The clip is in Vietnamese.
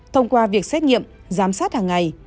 thông qua việc xét nghiệm giám sát hàng ngày